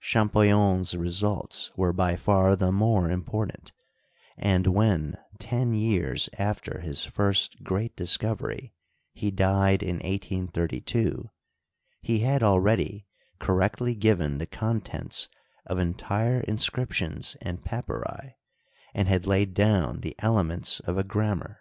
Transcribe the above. ChampoUion's results were by far the more important, and when, ten years after his first great discovery, he died in 1832, he had already correctly given the contents of entire inscriptions and papyri, and had laid down the ele ments of a grammar.